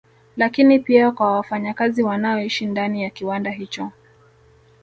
Lakini pia kwa wafanyakazi wanaoishi ndani ya kiwanda hicho